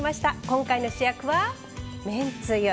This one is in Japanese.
今回の主役はめんつゆ。